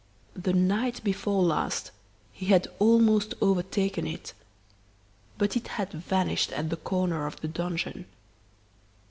The night before last he had almost overtaken it; but it had vanished at the corner of the donjon.